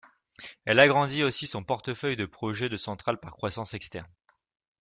Elle agrandit aussi son portefeuille de projets de centrale par croissance externe.